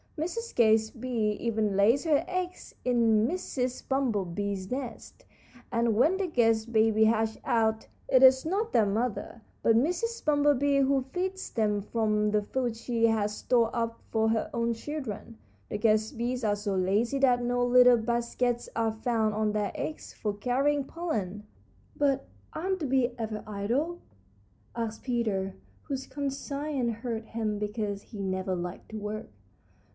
Mrs. Guest Bee even lays her eggs in Mrs. Bumblebee's nest, and when the guest babies hatch out, it is not their mother, but Mrs. Bumblebee, who feeds them from the food she has stored up for her own children. The guest bees are so lazy that no little baskets are found on their legs for carrying pollen." "But aren't the bees ever idle?" asked Peter, whose conscience hurt him because he never liked to work.